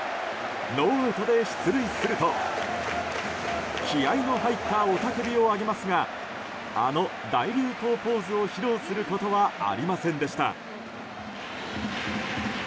ノーアウトで出塁すると気合の入った雄たけびを上げますがあの大流行ポーズを披露することはありませんでした。